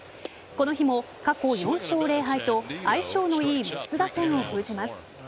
この日も過去４勝０敗と相性の良いメッツ打線を封じます。